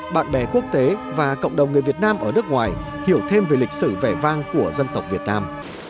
bạn bè quốc tế và cộng đồng người việt nam ở nước ngoài hiểu thêm về lịch sử vẻ vang của dân tộc việt nam